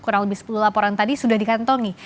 kurang lebih sepuluh laporan tadi sudah dikantongi